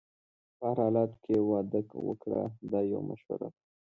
په هر حالت کې واده وکړه دا یو مشوره ده.